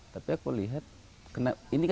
tapi aku lihat ini kan dipercaya